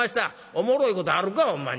「おもろいことあるかほんまに。